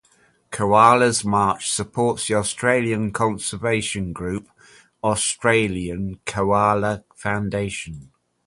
Koala's March supports the Australian conservation group Australian Koala Foundation.